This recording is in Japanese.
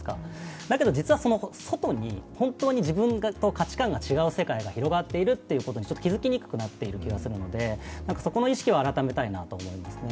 だけど、実はその外に本当に自分と価値観が違う世界が広がっていることにちょっと気づきにくくなっている気がするので、そこの意識を改めたいなと思いますね。